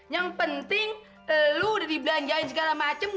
yang penting lu udah dibelanjain segala macem